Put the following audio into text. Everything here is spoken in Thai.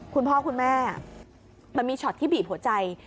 คุณพ่อคุณแม่มันมีช็อตที่บีบหัวใจ